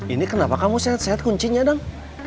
ini kenapa kamu sehat sehat kuncinya dong